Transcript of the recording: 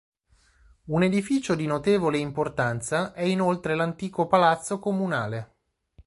Un edificio di notevole importanza è inoltre l'antico palazzo Comunale.